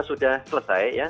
sudah selesai ya